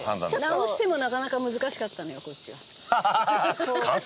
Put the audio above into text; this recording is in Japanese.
直してもなかなか難しかったのよこっちは。